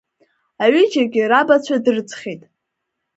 Аҩыџьегьы рабацәа дырӡхьеит.